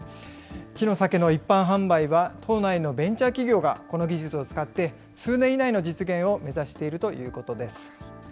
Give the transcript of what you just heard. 木の酒の一般販売は、とうないのベンチャー企業がこの技術を使って数年以内の実現を目指しているということです。